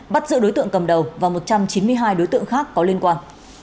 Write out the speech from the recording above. bắt giữ đối tượng cầm đầu và một trăm chín mươi hai đối tượng khác có liên quan